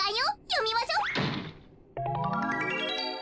よみましょ。